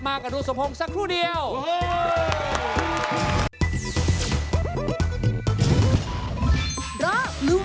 กับพอรู้ดวงชะตาของเขาแล้วนะครับ